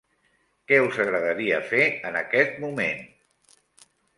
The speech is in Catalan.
Què us agradaria fer en aquest moment?